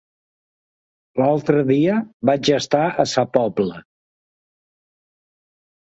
L'altre dia vaig estar a Sa Pobla.